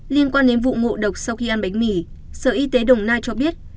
liên quan đến vụ ngộ độc sau khi ăn bánh mì sở y tế đồng nai cho biết